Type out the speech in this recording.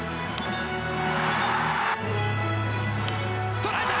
捉えた！